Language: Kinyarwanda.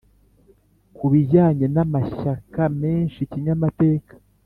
ku bijyanye n’amashyaka menshi kinyamateka